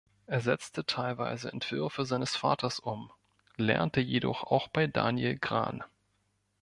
Er setzte teilweise Entwürfe seines Vaters um, lernte jedoch auch bei Daniel Gran.